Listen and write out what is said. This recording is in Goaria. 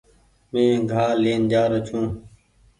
مينٚ گھاه لين جآرو ڇوٚنٚ